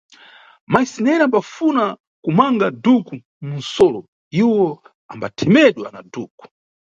Mayi Sineriya ambafuna kumanga dhuku munʼsolo, iwo ambathemedwa na dhuku.